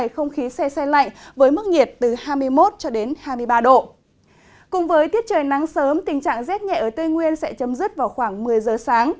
cùng với tiết trời nắng sớm tình trạng rét nhẹ ở tây nguyên sẽ chấm dứt vào khoảng một mươi giờ sáng